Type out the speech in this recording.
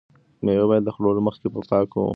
مېوې باید له خوړلو مخکې په پاکو اوبو ومینځل شي.